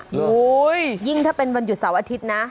โอ้โหยิ่งถ้าเป็นวันหยุดเสาร์อาทิตย์นะ